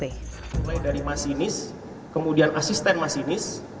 mulai dari masinis kemudian asisten masinis